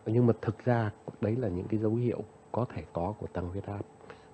nhưng mà thực ra đấy là những cái dấu hiệu có thể có của tăng huyết áp